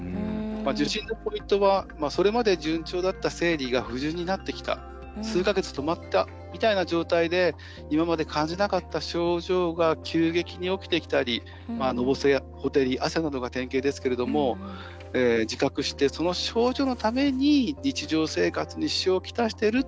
受診のポイントはそれまで順調だった生理が不順になってきた数か月、止まったみたいな状態で今まで感じなかった症状が急激に起きてきたりのぼせや、ほてり汗などが典型ですけれども自覚して、その症状のために日常生活に支障をきたしてる。